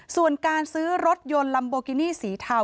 ส่วนการซื้อรถยนต์ลัมโบกินี่สีเทา